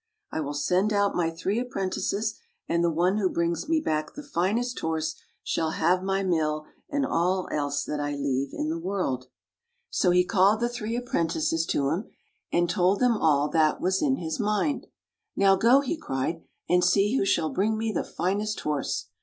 I will send out my three ap prentices, and the one who brings me back the finest horse shall have my mill, and all else that I leave in the world." [ 89 ] FAVORITE FAIRY TALES RETOLD So he called the three apprentices to him, and told them all that was in his mind. "Now go,'' he' cried, " and see who shall bring me the finest horse!